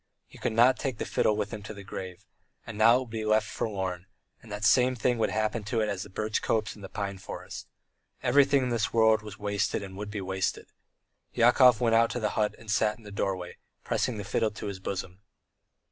He could not take the fiddle with him to the grave, and now it would be left forlorn, and the same thing would happen to it as to the birch copse and the pine forest. Everything in this world was wasted and would be wasted! Yakov went out of the hut and sat in the doorway, pressing the fiddle to his bosom.